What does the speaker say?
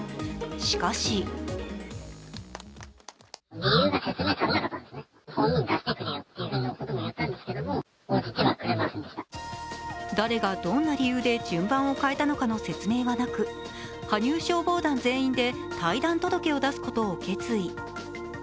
しかし誰がどんな理由で順番を変えたのかの説明はなく羽生消防団全員で退団届を出すことを決意。